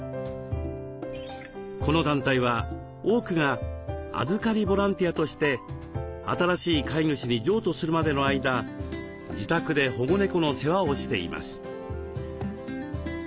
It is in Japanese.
この団体は多くが「預かりボランティア」として新しい飼い主に譲渡するまでの間自宅で保護猫の世話をしています。